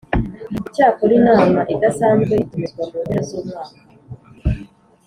Icyakora inama idasanzwe itumizwa mu mpera z umwaka